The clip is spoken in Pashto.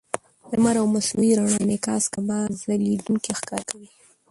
د لمر او مصنوعي رڼا انعکاس کعبه ځلېدونکې ښکاره کوي.